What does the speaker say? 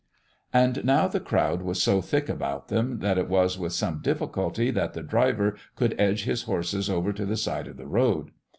And now the crowd was so thick about them that it was with some difficulty that the driver could edge his horses over to the side of the road.